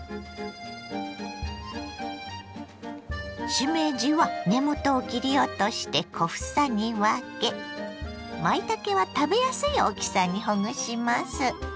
しめじは根元を切り落として小房に分けまいたけは食べやすい大きさにほぐします。